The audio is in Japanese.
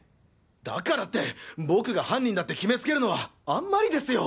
だからって僕が犯人だって決めつけるのはあんまりですよ！